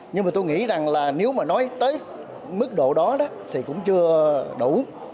nhưng mà tôi nghĩ rằng là nếu mà nói tới mức độ đó thì cũng chưa đủ